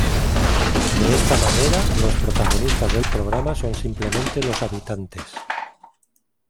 De esta manera, los protagonistas del programa son simplemente los habitantes.